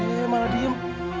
iya malah diem